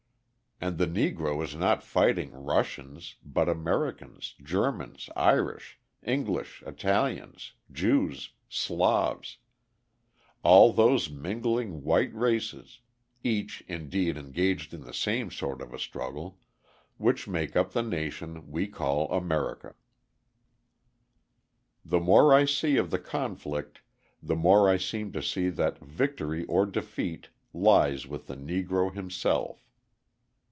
And the Negro is not fighting Russians, but Americans, Germans, Irish, English, Italians, Jews, Slavs all those mingling white races (each, indeed, engaged in the same sort of a struggle) which make up the nation we call America. The more I see of the conflict the more I seem to see that victory or defeat lies with the Negro himself.